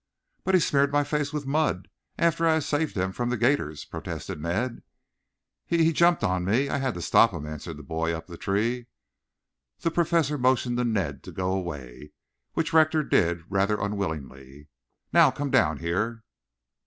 "But he smeared my face with mud after I had saved him from the 'gators," protested Ned. "He he jumped on me. I had to stop him," answered the boy up the tree. The Professor motioned to Ned to go away, which Rector did rather unwillingly. "Now, come down here."